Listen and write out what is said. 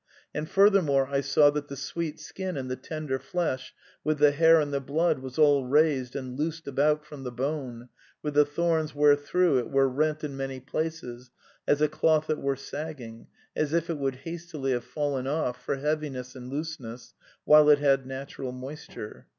And furthermore I saw that the sweet skin and the tender flesh, with the hair and the blood, was all raised and loosed about from the bone, with the thorns where through it were rent in many pieces, as a cloth that were sagging, as if it would hastily have fallen off, for heavi ness and looseness, while it had natural moisture.